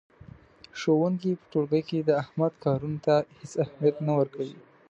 ښوونکی په ټولګي کې د احمد کارونو ته هېڅ اهمیت نه ورکوي.